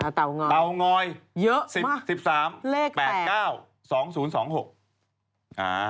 เอาเตางอยเยอะมาก๑๓๘๙๒๐๒๖อ่าเอาเตางอยเยอะมากเลขแปด